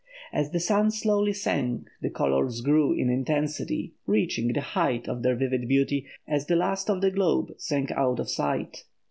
As the sun slowly sank, the colours grew in intensity, reaching the height of their vivid beauty as the last of the globe sank out of sight.